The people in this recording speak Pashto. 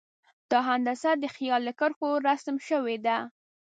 دا هندسه د خیال له کرښو رسم شوې ده.